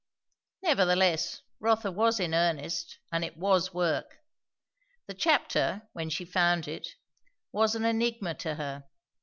Nevertheless, Rotha was in earnest, and it was work. The chapter, when she found it, was an enigma to her.